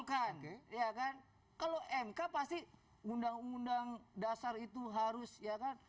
bukan kalau mk pasti undang undang dasar itu harus ya kan